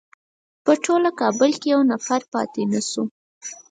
په ټول کابل کې یو نفر پاتې نه شو.